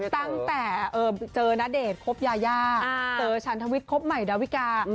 ตั้งแต่เจอนาเดชครบยายาเต๋อชันธวิตครบใหม่ดาวิกา